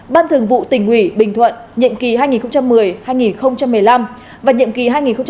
ban thường vụ tỉnh ủy bình thuận nhiệm kỳ hai nghìn một mươi hai nghìn một mươi năm và nhiệm kỳ hai nghìn hai mươi hai nghìn hai mươi năm